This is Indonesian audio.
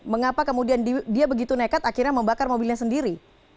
mengapa kemudian dia begitu nekat akhirnya membakar mobilnya sendiri